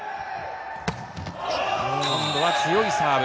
今度は強いサーブ。